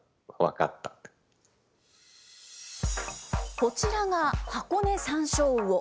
こちらがハコネサンショウウオ。